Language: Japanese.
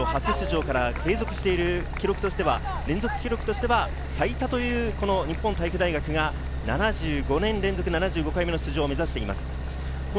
初出場から継続している記録としては連続記録としては最多という日本体育大学が７５年連続７５回目の出場を目指しています。